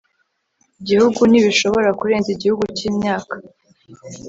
gihugu ntibishobora kurenza igihe cy imyaka